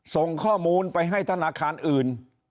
ส่งข้อมูลไปให้ธนาคารอื่น